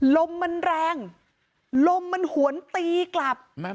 ลมมันแรงลมมันหวนตีกลับ